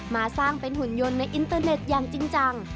มาสร้างเป็นหุ่นยนต์ในอินเตอร์เน็ตอย่างจริงจัง